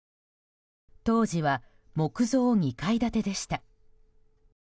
当時は、木造２階建てでした。